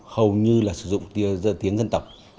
hầu như là sử dụng tiếng dân tộc